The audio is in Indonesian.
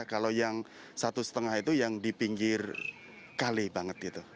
kalau yang satu lima itu yang di pinggir kali banget gitu